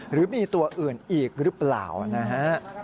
หรือมีตัวอื่นอีกหรือเปล่านะฮะ